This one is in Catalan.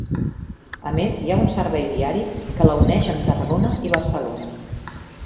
A més hi ha un servei diari que la uneix amb Tarragona i Barcelona.